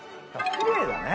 きれいだね。